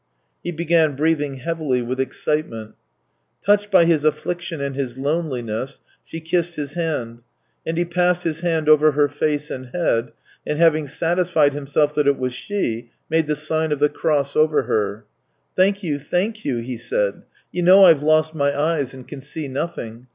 He began breathing heavily with excitement. Touched by his affliction and his loneliness, she kissed his hand; and he passed his hand over her face and head, and having satisfied himself that it was she, made the sign of the cross over her. 300 THE TALES OF TCHEHOV " Thank you, thank you," he said. " You know I've lost my eyes and can see nothing.